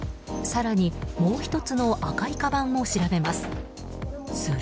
更に、もう１つの赤いかばんも調べます。